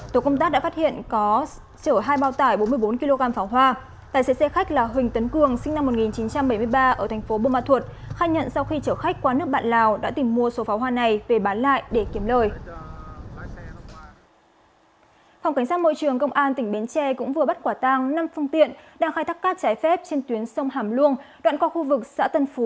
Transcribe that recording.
tổ công tác đã phát hiện có chở hai bao tải bốn mươi bốn kg pháo hoa tài xế xe khách là huỳnh tấn cường sinh năm một nghìn chín trăm bảy mươi ba ở thành phố bơ ma thuột khai nhận sau khi chở khách qua nước bạn lào đã tìm mua số pháo hoa này về bán lại để kiếm lời